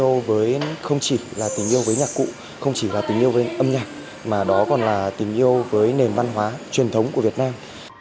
đó trong đó là tình yêu tình yêu không chỉ là tình yêu với nhạc cụ không chỉ là tình yêu với âm nhạc mà đó còn là tình yêu với nền văn hóa truyền thống của việt nam